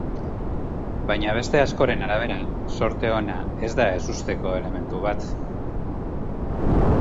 Baina beste askoren arabera, zorte ona ez da ezusteko elementu bat.